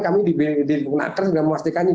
kami di bnp